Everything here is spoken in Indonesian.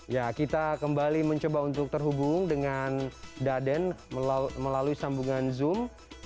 ya kita kembali mencoba untuk terhubung dengan daden melalui sambungan zoom